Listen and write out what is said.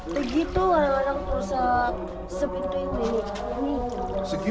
tegi tuh orang orang terus sepintuin deh